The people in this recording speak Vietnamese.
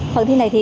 phần thi này thì